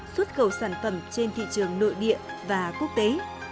xuất khẩu sản phẩm trên thị trường nội địa và quốc tế